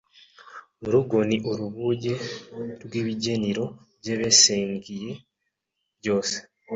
Urugo ni urubuge rw’ibigeniro by’ebesengiye byose: